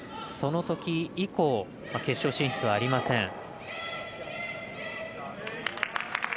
そのとき以降決勝進出はありません。